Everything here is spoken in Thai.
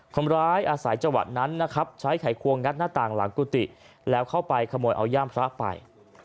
คนร้ายอาศัยจังหวัดนั้นนะครับใช้ไขควงงัดหน้าต่างหลังกุฏิแล้วเข้าไปขโมยเอาย่ามพระไป